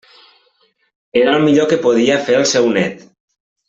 Era el millor que podia fer el seu nét.